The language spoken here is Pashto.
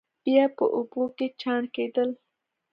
بیا په اوبو کې چاڼ کېدل.